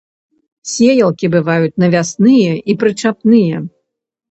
Сеялкі бываюць навясныя і прычапныя.